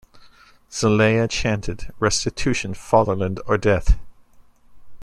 Zelaya chanted Restitution, Fatherland or Death!